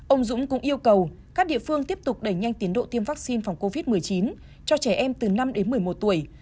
ông dũng cũng yêu cầu các địa phương tiếp tục đẩy nhanh tiến độ tiêm vaccine phòng covid một mươi chín cho trẻ em từ năm đến một mươi một tuổi